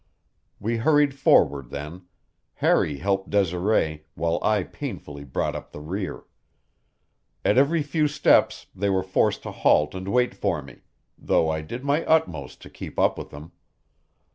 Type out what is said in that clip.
We hurried forward then; Harry helped Desiree, while I painfully brought up the rear. At every few steps they were forced to halt and wait for me, though I did my utmost to keep up with them.